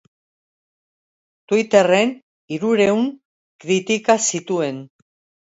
Twitterren hirurehun kritika zituen.